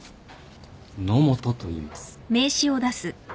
野本といいます。